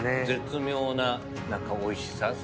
絶妙な何かおいしさ。